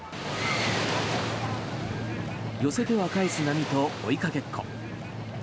寄せては返す波と追いかけっこ。